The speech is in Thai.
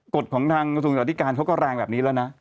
กฎของทางสวัสดิการเขาก็แรงแบบนี้แล้วนะ